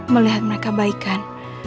melihat mereka baikan